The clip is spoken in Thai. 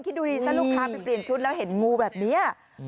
คิดดูดิซะลูกค้าไปเปลี่ยนชุดแล้วเห็นงูแบบนี้